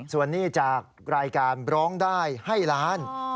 ส่วนหนี้จากรายการร้องได้ให้ล้าน